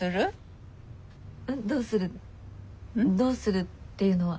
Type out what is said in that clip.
どうするどうするっていうのは？